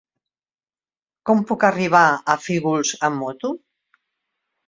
Com puc arribar a Fígols amb moto?